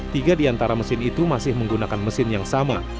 tiga di antara mesin itu masih menggunakan mesin yang sama